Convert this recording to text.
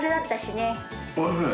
おいしい。